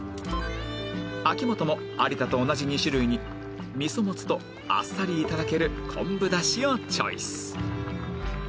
秋元も有田と同じ２種類に味噌もつとあっさり頂ける昆布ダシをチョイス